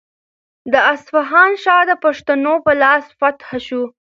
د اصفهان ښار د پښتنو په لاس فتح شو.